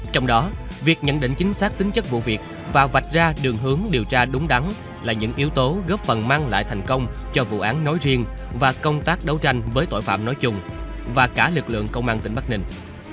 trong đó việc nhận định chính xác tính chất vụ việc và vạch ra đường hướng điều tra đúng đắn là những yếu tố góp phần mang lại thành công cho vụ án nói riêng và công tác đấu tranh với tội phạm nói chung và cả lực lượng công an tỉnh bắc ninh